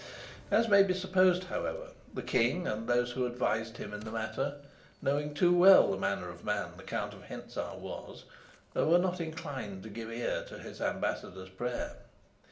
As may be supposed, however, the king and those who advised him in the matter, knowing too well the manner of man the Count of Hentzau was, were not inclined to give ear to his ambassador's prayer.